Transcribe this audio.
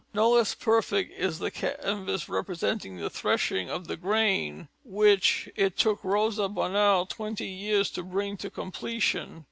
No less perfect is the canvas representing The Threshing of the Grain, which it took Rosa Bonheur twenty years to bring to completion.